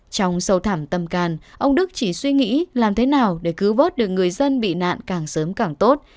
trong sâu thảm tâm càn ông đức chỉ suy nghĩ làm thế nào để cứu vớt được người dân bị nạn càng sớm càng tốt